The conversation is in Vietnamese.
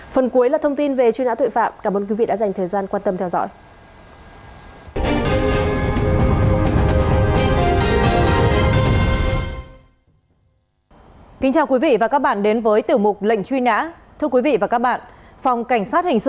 phần cuối là thông tin về chuyên án tội phạm